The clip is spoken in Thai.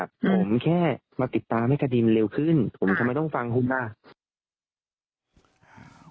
ผมแค่มาติดตามให้คดีมันเร็วขึ้นผมทำไมต้องฟังคุณล่ะ